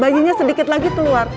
bayinya sedikit lagi keluar